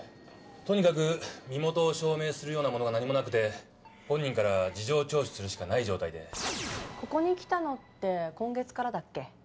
とにかく身元を証明するようなものが何もなくて本人から事情聴取するしかない状態でここに来たのって今月からだっけ？